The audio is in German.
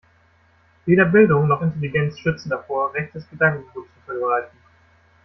Weder Bildung noch Intelligenz schützen davor, rechtes Gedankengut zu verbreiten.